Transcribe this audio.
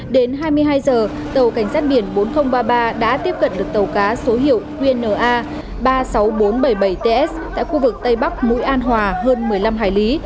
đến hai mươi hai giờ tàu cảnh sát biển bốn nghìn ba mươi ba đã tiếp cận được tàu cá số hiệu qnna ba mươi sáu nghìn bốn trăm bảy mươi bảy ts tại khu vực tây bắc mũi an hòa hơn một mươi năm hải lý